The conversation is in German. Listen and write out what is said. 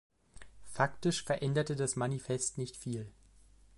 Faktisch veränderte das Manifest nicht viel.